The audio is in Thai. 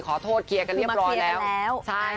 ขอโทษเคลียร์กันเรียบร้อยแล้วคือมาเคลียร์กันแล้ว